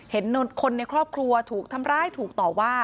เห็นคนในครอบครัวถูกทำร้ายถูกต่อว่า